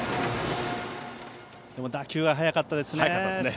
でも打球は速かったですね。